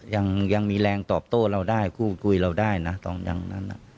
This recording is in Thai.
ยังยังมีแรงตอบโต้เราได้คู่คุยเราได้น่ะตอนยังนั้นน่ะ